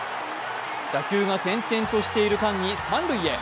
打球が転々としている間に三塁へ。